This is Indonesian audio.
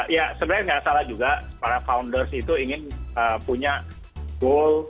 ya sebenarnya nggak salah juga para founders itu ingin punya goal